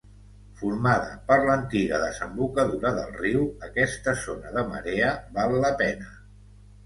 Formada per l'antiga desembocadura del riu, aquesta zona de marea val la pena.